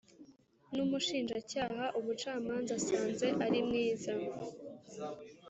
n Umushinjacyaha umucamanza asanze ari mwiza